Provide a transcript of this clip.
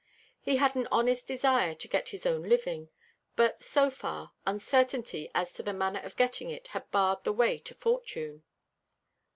He had an honest desire to get his own living; but so far uncertainty as to the manner of getting it had barred the way to fortune.